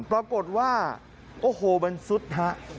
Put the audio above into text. ปรากฏว่าโอ้โหมันซุดฮะ